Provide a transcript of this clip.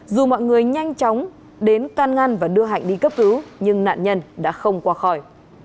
dù mọi người nhanh chóng đến can ngăn và đưa hạnh đi cấp cứu nhưng nạn nhân đã không qua khỏi